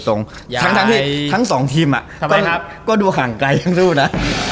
ทั้งที่ทั้งสองทีมก็ดูห่างไกลทั้งคู่นะ